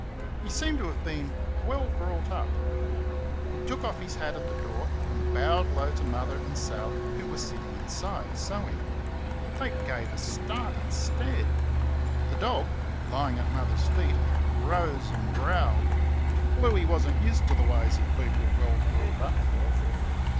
He seemed to have been "well brought up" he took off his hat at the door and bowed low to Mother and Sal, who were sitting inside, sewing. They gave a start and stared. The dog, lying at Mother's feet, rose and growled. Bluey was n't used to the ways of people well brought up.